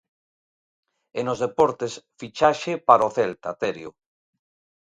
E nos deportes, fichaxe para o Celta, Terio.